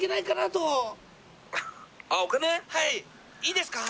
いいですか？